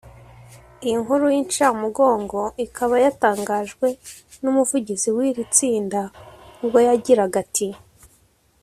Iyi nkuru y’inshamugongo ikaba yatangajwe n’umuvugizi w’iri tsinda ubwo yagiraga ati